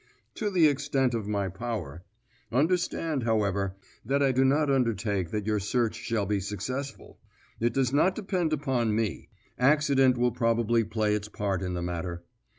"To the extent of my power. Understand, however, that I do not undertake that your search shall be successful. It does not depend upon me; accident will probably play its part in the matter.